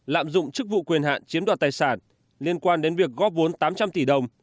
lạm dụng chức vụ quyền hạn chiếm đoạt tài sản liên quan đến việc góp vốn tám trăm linh tỷ đồng